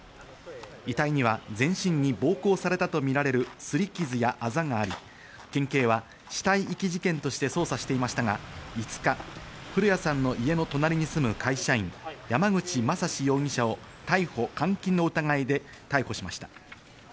遺体には全身に暴行された痕とみられる擦り傷やあざがあり、県警は死体遺棄事件として捜査していましたが、５日、古屋さんの家の隣に住む会社員、山口正司容疑者を逮捕監禁の疑いで逮捕しました。